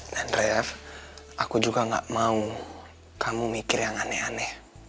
dan ref aku juga gak mau kamu mikir yang aneh aneh